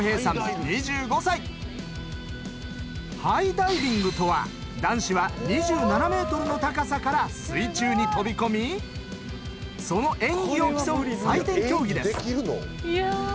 ハイダイビングとは男子は２７ｍの高さから水中に飛び込みその演技を競う採点競技です。